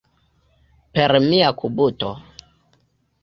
Per mia kubuto.